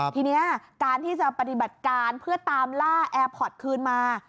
ทีนี้การที่จะปฏิบัติการเพื่อตามล่าแอร์พอร์ตคืนมา